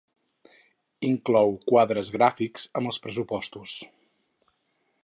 Inclou quadres gràfics amb els pressupostos.